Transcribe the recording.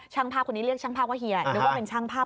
ภาพคนนี้เรียกช่างภาพว่าเฮียนึกว่าเป็นช่างภาพ